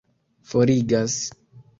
forigas